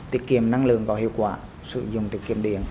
tiết kiệm năng lượng có hiệu quả sử dụng tiết kiệm điện